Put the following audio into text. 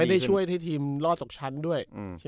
ได้ช่วยให้ทีมรอดตกชั้นด้วย